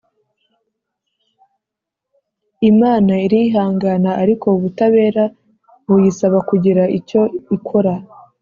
Imana irihangana ariko ubutabera buyisaba kugira icyo ikora